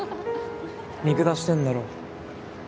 ・見下してんだろ。